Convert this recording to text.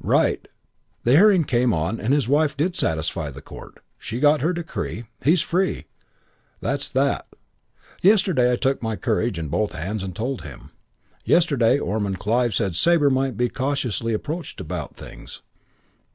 "Right. The hearing came on and his wife did satisfy the Court. She got her decree. He's free.... That's that.... "Yesterday I took my courage in both hands and told him. Yesterday Ormond Clive said Sabre might be cautiously approached about things.